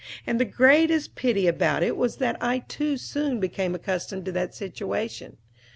And the greatest pity about it was that I too soon became accustomed to the situation.